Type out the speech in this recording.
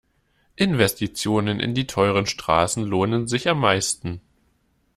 Investitionen in die teuren Straßen lohnen sich am meisten.